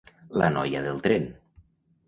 La noia del tren.